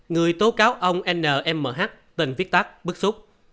người tố cáo ông n m h tên viết tắt bức xúc